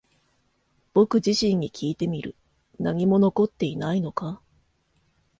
僕自身にきいてみる。何も残っていないのか？